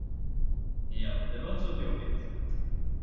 Ja, det var inte så pjåkigt.